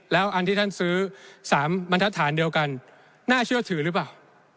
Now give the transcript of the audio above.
แล้วอันที่ท่านซื้อ๓บรรทฐานเดียวกันน่าเชื่อถือหรือเปล่า